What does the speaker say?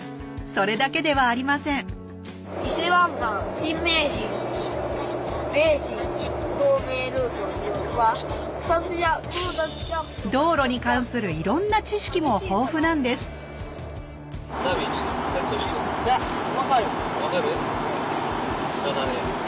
それだけではありません道路に関するいろんな知識も豊富なんです分かる？